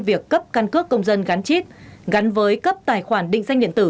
việc cấp căn cước công dân gắn chip gắn với cấp tài khoản định danh điện tử